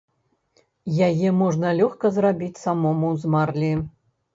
Яе можна лёгка зрабіць самому з марлі.